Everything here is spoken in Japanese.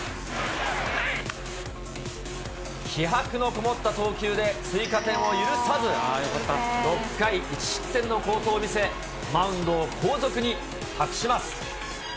気迫のこもった投球で、追加点を許さず、６回１失点の好投を見せ、マウンドを後続に託します。